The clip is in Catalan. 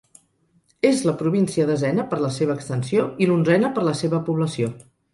És la província desena per la seva extensió i l'onzena per la seva població.